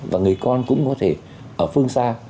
và người con cũng có thể ở phương xa